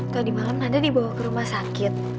tadi malam nanda dibawa ke rumah sakit